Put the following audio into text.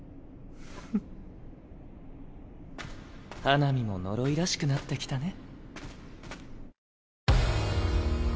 花御も呪いらしくなってきたね。